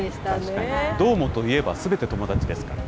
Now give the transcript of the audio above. どーもといえば、すべて友達ですから。